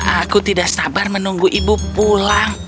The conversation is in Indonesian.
aku tidak sabar menunggu ibu pulang